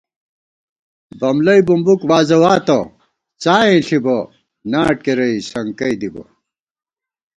بملَئی بُمبُک وازَواتہ، څائیں ݪِبہ، ناٹ کېرَئی سنکَئی دِبہ